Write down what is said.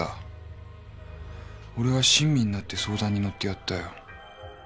俺は親身になって相談に乗ってやったよ。